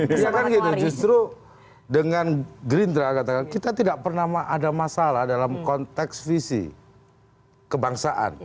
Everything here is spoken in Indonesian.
misalkan gitu justru dengan gerindra katakan kita tidak pernah ada masalah dalam konteks visi kebangsaan